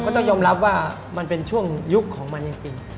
ต้องยอมรับว่ามันเป็นช่วงยุคของมันจริง